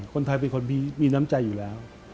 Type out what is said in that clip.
คนไทยเป็นคนมีน้ำใจอยู่แล้ว